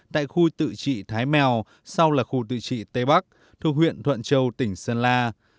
tại khu tự trị thái mèo sau là khu tự trị tây bắc thuộc huyện thuận châu tỉnh sơn la